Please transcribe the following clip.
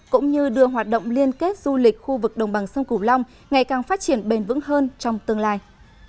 cũng như đưa hoạt động liên kết du lịch khu vực đồng bằng sông cửu long ngày càng phát triển bền vững hơn trong tương lai